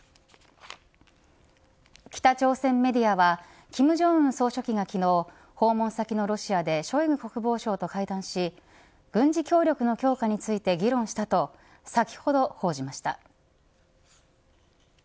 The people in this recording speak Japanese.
北朝鮮メディアは金正恩総書記が昨日、訪問先のロシアでショイグ国防相と会談し軍事協力の強化について議論したと先ほど報じました。